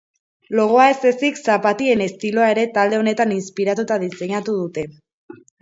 Logoa ez ezik, zapatilen estiloa ere talde honetan inspiratuta diseinatu dute.